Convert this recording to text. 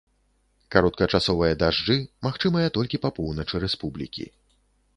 Кароткачасовыя дажджы магчымыя толькі па поўначы рэспублікі.